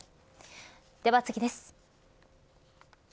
では次です。